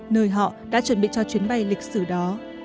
nơi họ đã chuẩn bị cho chuyến bay lịch sử đó